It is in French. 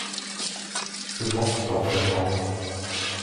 Je manque d’entraînement.